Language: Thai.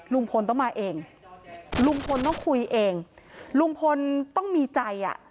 ลุงพลต้องมาเองลุงพลต้องคุยเองลุงพลต้องมีใจอ่ะ